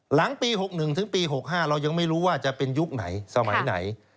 หลังปี๖๑ถึงปี๖๕เรายังไม่รู้ว่าจะเป็นยุคไหนสมัยไหน